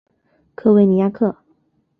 科维尼亚克。